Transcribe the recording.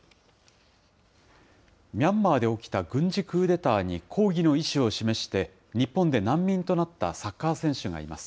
ミャンマーで起きた軍事クーデターに抗議の意志を示して日本で難民となったサッカー選手がいます。